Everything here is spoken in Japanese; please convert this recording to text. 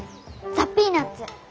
ザ・ピーナッツ。